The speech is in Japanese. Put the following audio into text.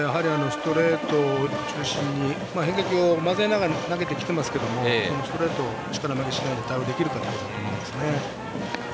ストレート中心に変化球を交ぜながら投げてきてますけどストレート、力負けしないで対応できるかですね。